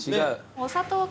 お砂糖が。